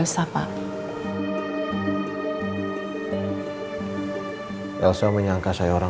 tapi waktu itu burello kejadyaan terbuka di sana